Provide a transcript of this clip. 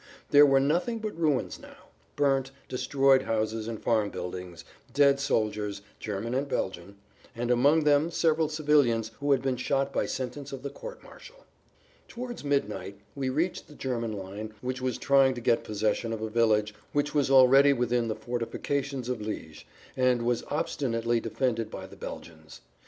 There were nothing but ruins now, burnt, destroyed houses and farm buildings, dead soldiers, German and Belgian, and among them several civilians who had been shot by sentence of the court martial. Towards midnight we reached the German line which was trying to get possession of a village which was already within the fortifications of Liège, and was obstinately defended by the Belgians.